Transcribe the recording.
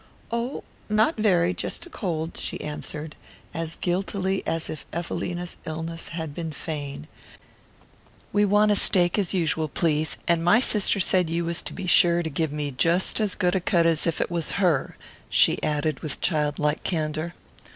"Oh, not very jest a cold," she answered, as guiltily as if Evelina's illness had been feigned. "We want a steak as usual, please and my sister said you was to be sure to give me jest as good a cut as if it was her," she added with child like candour.